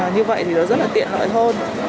như vậy thì nó rất là tiện lợi hơn